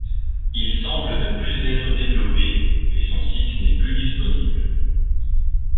Il semble ne plus être développé et son site n'est plus disponible.